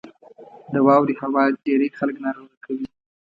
• د واورې هوا ډېری خلک ناروغ کوي.